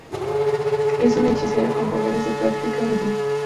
Es una hechicera con poderes de práctica vudú.